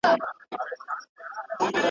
o چي ته ئې يووړې، گوا زه ئې يووړم.